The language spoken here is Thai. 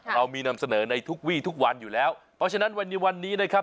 เรามีนำเสนอในทุกวี่ทุกวันอยู่แล้วเพราะฉะนั้นวันนี้วันนี้นะครับ